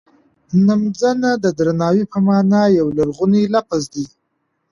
نمځنه د درناوی په مانا یو لرغونی لفظ دی.